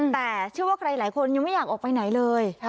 แต่เชื่อว่าใครหลายคนยังไม่อยากออกไปไหนเลย